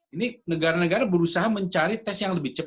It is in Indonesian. ini negara negara berusaha mencari tes yang lebih cepat